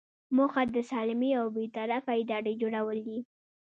موخه د سالمې او بې طرفه ادارې جوړول دي.